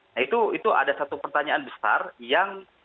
nah itu ada satu pertanyaan besar yang